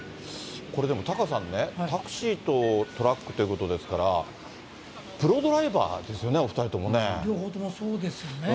これでもタカさんね、タクシーとトラックということですから、プロドライバーですよね、両方ともそうですね。